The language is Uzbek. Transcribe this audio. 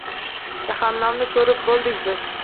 Jahannamni koʼrib boʼldik biz.